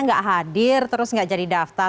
nggak hadir terus nggak jadi daftar